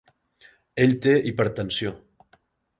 Ell té hipertensió.